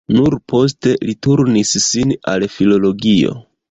Nur poste li turnis sin al filologio.